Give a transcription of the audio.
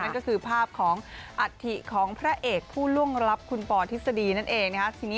ก็คือภาพของอัฐิของพระเอกผู้ล่วงลับคุณปอทฤษฎีนั่นเองนะครับ